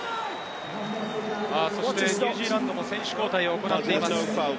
ニュージーランドも選手交代を行っています。